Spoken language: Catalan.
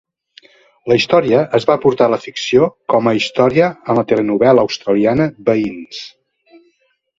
La història es va portar a la ficció com a història en la telenovel·la australiana "Veïns".